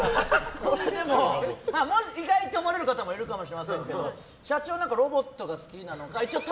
意外って思われる方もいるかもしれませんけど社長、ロボットが好きなのかどういうこと？